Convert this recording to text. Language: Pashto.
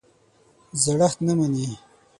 زړښت نه مني.